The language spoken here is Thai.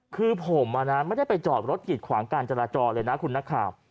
คือผมไม่ได้ไปจอดรถกิดขวางการจราจรเลยนะคุณนักข่าว